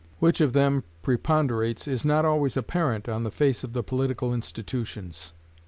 Which of them preponderates is not always apparent on the face of the political institutions.